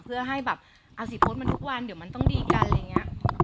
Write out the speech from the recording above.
เพื่อให้แบบเอาสิโพสต์มันทุกวันเดี๋ยวมันต้องดีกันอะไรอย่างนี้